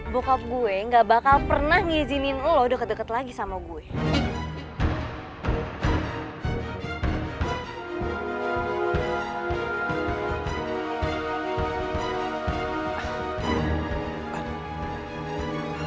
bokap gue gak bakal pernah ngizinin lu deket deket lagi sama gua